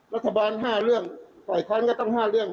รัฐบาล๕เรื่องฝ่ายค้านก็ต้อง๕เรื่อง